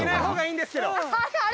あれ？